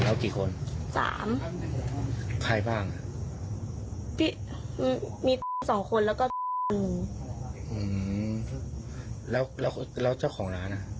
อืมแล้วเจ้าของร้านอ่ะ